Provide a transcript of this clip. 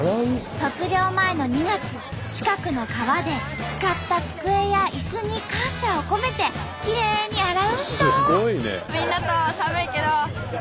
卒業前の２月近くの川で使った机や椅子に感謝を込めてきれいに洗うんと。